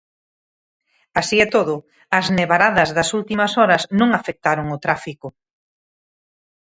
Así e todo, as nevaradas das últimas horas non afectaron o tráfico.